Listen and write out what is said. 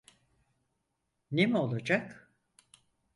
Ne mi olacak?